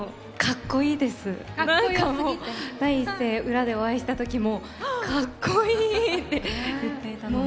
裏でお会いした時も「かっこいい！」って言っていたので。